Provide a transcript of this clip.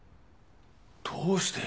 どうして？